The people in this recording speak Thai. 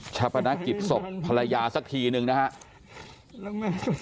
ชับประณะกิดศพภรรยาสักทีหนึ่งนะครับ